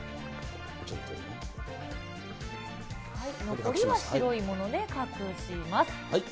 残りは白いもので隠します。